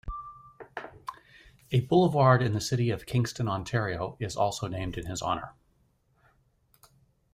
A boulevard in the city of Kingston, Ontario, is also named in his honour.